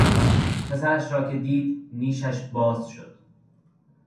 پسرش را که دید نیشش باز شد.